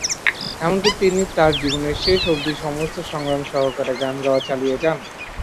এমনকি তিনি তার জীবনের শেষ অবধি সমস্ত সংগ্রাম সহকারে গান গাওয়া চালিয়ে যান।